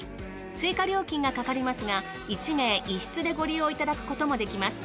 追加料金がかかりますが１名１室でご利用いただくこともできます。